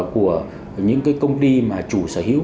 của những công ty mà chủ sở hữu